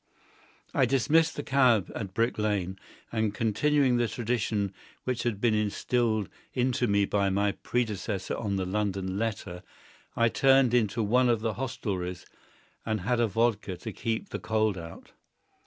I dismissed the cab at Brick Lane, and, continuing the tradition which had been instilled into me by my predecessor on the London Letter, I turned into one of the hostelries and had a vodka to keep the cold out.